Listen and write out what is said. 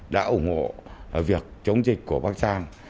đã ủng hộ việc chống dịch của bắc giang